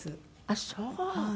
あっそう。